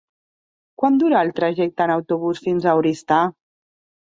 Quant dura el trajecte en autobús fins a Oristà?